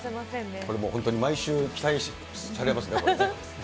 これもう本当に毎週期待されますね、これね。